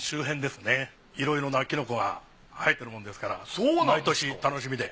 いろいろなキノコが生えてるもんですから毎年楽しみで。